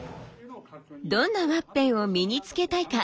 どんなワッペンを身につけたいか。